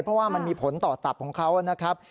เพราะว่ามันมีผลต่อตับของเขานะครับ